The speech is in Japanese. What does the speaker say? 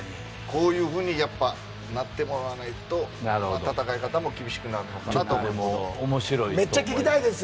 こういうふうになってもらわないと戦い方も厳しくなるのかなと思います。